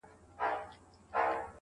زما ونه له تا غواړي راته,